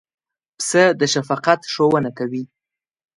پسه د شفقت ښوونه کوي.